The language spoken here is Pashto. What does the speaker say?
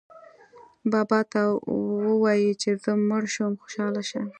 بابا ته ووایئ که زه مړه شوم خوشاله شه.